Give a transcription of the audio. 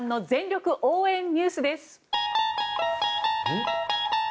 全力応援！